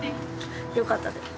よかったです。